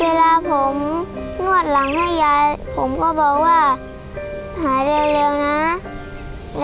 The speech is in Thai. เวลาผมนวดหลังให้ยายผมก็บอกว่าหายเร็วนะ